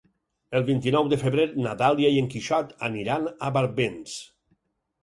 El vint-i-nou de febrer na Dàlia i en Quixot aniran a Barbens.